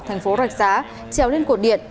tp rạch giá treo lên cột điện